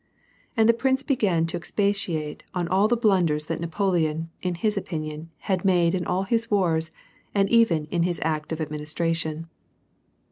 And the prince began to expatiate on all the blunders that Napoleon, in his opinion, had made in all his wars, and even in his act of administration.